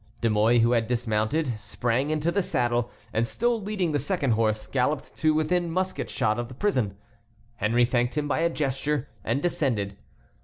De Mouy, who had dismounted, sprang into the saddle, and still leading the second horse galloped to within musket shot of the prison. Henry thanked him by a gesture, and descended.